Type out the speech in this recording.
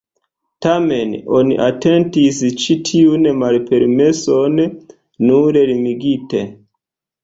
Tamen oni atentis ĉi tiun malpermeson nur limigite.